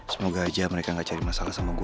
semoga aja mereka gak cari masalah sama gue